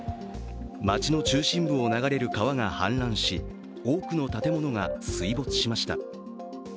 街の中心部を流れる川が氾濫し多くの建物が水没しました。